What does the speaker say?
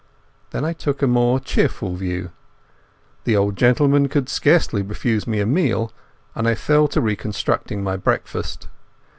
Then I took a more cheerful view. The old gentleman could scarcely refuse me a meal, and I fell to reconstructing my breakfast.